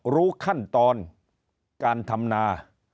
รู้ขั้นตอนการทำนา